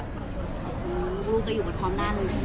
หนูก็อยู่กันพร้อมนั่น